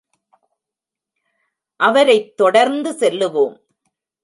அவரைத் தொடர்ந்து செல்லுவோம்.